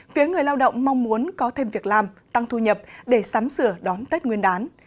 phía người lao động mong muốn có thêm việc làm tăng thu nhập để sắm sửa đón tết nguyên đán